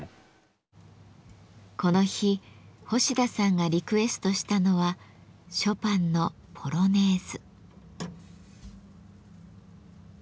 この日星田さんがリクエストしたのはショパンの「ポロネーズ」。